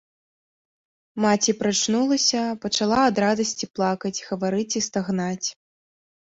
Маці прачнулася, пачала ад радасці плакаць, гаварыць і стагнаць.